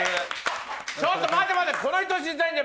ちょっと待て待て！